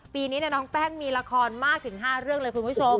ปีนี้น้องแป้งมีละครมากถึง๕เรื่องเลยคุณผู้ชม